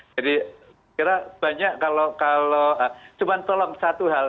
jadi kira banyak kalau kalau cuma tolong satu hal